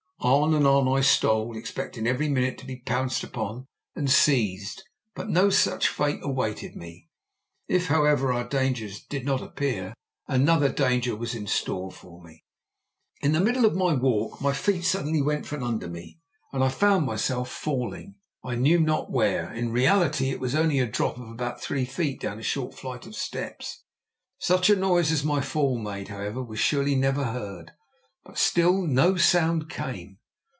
On and on I stole, expecting every moment to be pounced upon and seized; but no such fate awaited me. If, however, our jailers did not appear, another danger was in store for me. In the middle of my walk my feet suddenly went from under me, and I found myself falling I knew not where. In reality it was only a drop of about three feet down a short flight of steps. Such a noise as my fall made, however, was surely never heard, but still no sound came.